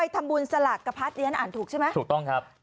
ทำบุญสลักกะพรรด์เข้าเสียงอ่านถูกใช่มั้ย